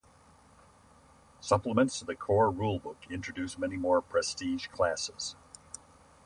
Supplements to the core rulebook introduce many more prestige classes.